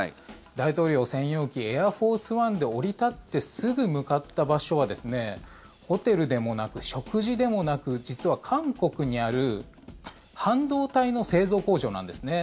大統領専用機エアフォース・ワンで降り立ってすぐ向かった場所はホテルでもなく、食事でもなく実は韓国にある半導体の製造工場なんですね。